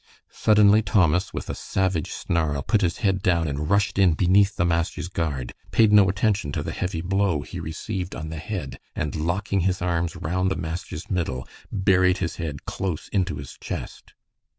Suddenly Thomas, with a savage snarl, put his head down and rushed in beneath the master's guard, paid no attention to the heavy blow he received on the head, and locking his arms round the master's middle, buried his head close into his chest.